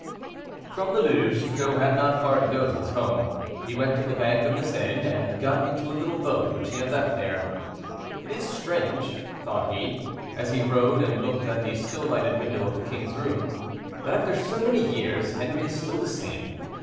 From the Louvre Chicot had not far to go to his home. He went to the bank of the Seine and got into a little boat which he had left there. "It is strange," thought he, as he rowed and looked at the still lighted window of the king's room, "that after so many years, Henri is still the same.